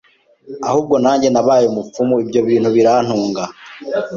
ahubwo nanjye nabaye umupfumu, ibyo bintu birantunga